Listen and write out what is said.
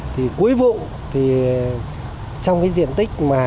thì cuối vụ thì trong cái diện tích vải này